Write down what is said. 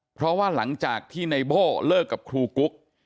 เพราะว่าหลังจากที่ไนโบ้เลิกกับครูกุ๊ก